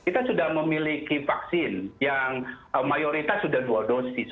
kita sudah memiliki vaksin yang mayoritas sudah dua dosis